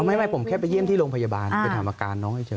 ไม่ผมแค่ไปเยี่ยมที่โรงพยาบาลไปถามอาการน้องเฉย